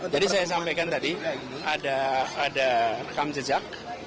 jadi saya sampaikan tadi ada rekam jejak